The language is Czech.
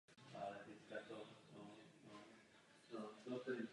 O dva roky později oznámili zasnoubení.